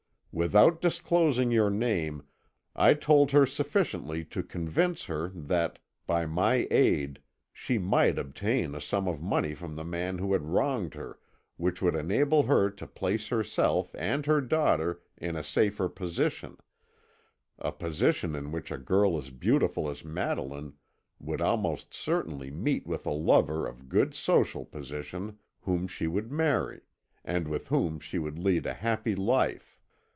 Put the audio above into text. Without disclosing your name I told her sufficiently to convince her that, by my aid, she might obtain a sum of money from the man who had wronged her which would enable her to place herself and her daughter in a safer position a position in which a girl as beautiful as Madeline would almost certainly meet with a lover of good social position whom she would marry and with whom she would lead a happy life.